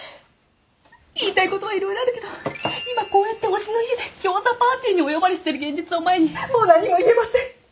言いたいことは色々あるけど今こうやって推しの家でギョーザパーティーにお呼ばれしてる現実を前にもう何も言えません！